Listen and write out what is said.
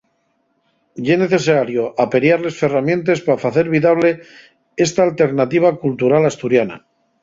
Ye necesario aperiar les ferramientes pa faer vidable esta alternativa cultural asturiana.